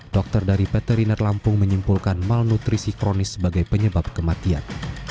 dokter dari veteriner lampung menyimpulkan malnutrisi kronis sebagai penyebab kematian